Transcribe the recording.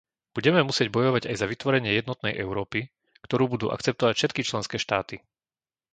Budeme musieť bojovať aj za vytvorenie jednotnej Európy, ktorú budú akceptovať všetky členské štáty.